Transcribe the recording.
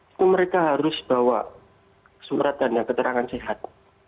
itu mereka harus bawa surat dan keterangan sehat